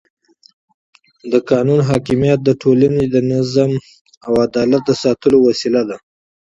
د قانون حاکمیت د ټولنې د نظم او عدالت د ساتلو وسیله ده